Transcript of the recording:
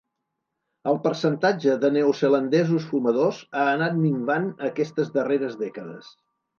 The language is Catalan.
El percentatge de neozelandesos fumadors ha anat minvant aquestes darreres dècades.